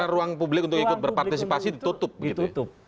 karena ruang publik untuk ikut berpartisipasi ditutup